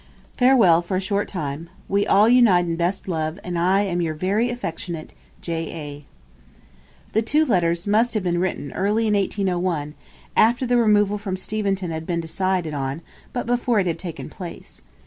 Farewell for a short time. We all unite in best love, and I am your very affectionate 'J. A.' The two next letters must have been written early in 1801, after the removal from Steventon had been decided on, but before it had taken place.